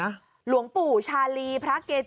การนอนไม่จำเป็นต้องมีอะไรกัน